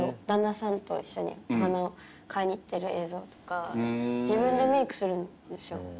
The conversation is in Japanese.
旦那さんと一緒にお花を買いに行っている映像とか自分でメイクするんですよ